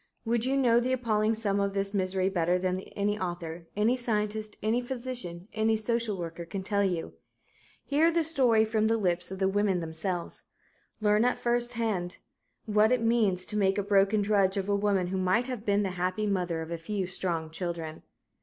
Would you know the appalling sum of this misery better than any author, any scientist, any physician, any social worker can tell you? Hear the story from the lips of the women themselves. Learn at first hand what it means to make a broken drudge of a woman who might have been the happy mother of a few strong children.